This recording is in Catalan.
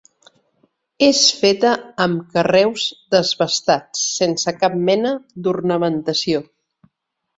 És feta amb carreus desbastats, sense cap mena d'ornamentació.